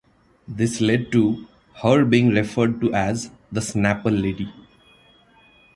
This led to her being referred to as "The Snapple Lady".